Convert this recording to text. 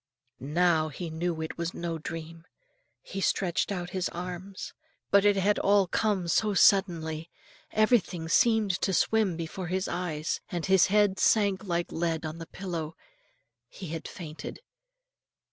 Now he knew it was no dream. He stretched out his arms, but it had all come so suddenly, everything seemed to swim before his eyes, and his head sank like lead on the pillow. He had fainted.